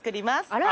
あら。